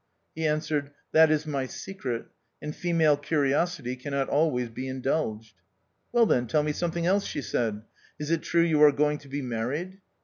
" He answered, " That is my secret ; and female curiosity cannot always be indulged." " Well, then, tell me some thing else," she said. " Is it true you are going to be married